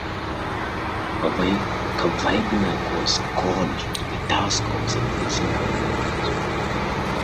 Cavaignac was called to the task of suppressing the revolt.